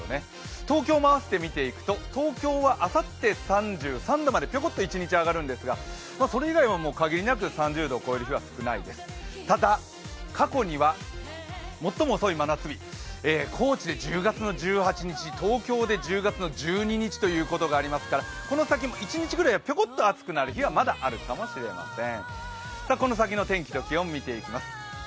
東京もあわせて見ていくとあさって３３度、ちょこっと一日上がる日があるんですが、それ以外は限りなく３０度を超える日は少ないです、ただ、過去には最も遅い真夏日、高知で１０月１８日、東京で１０月１２日ということもありますからこの先も一日ぐらいはぴょこっと暑くなる日もあるかもしれません。